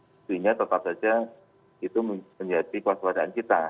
tentunya tetap saja itu menjadi kewaspadaan kita